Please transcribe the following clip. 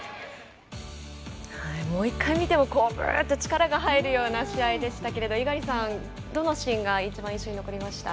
もう１回、見てもグッと力が入るような試合でしたけれども猪狩さんどのシーンが一番印象に残りました？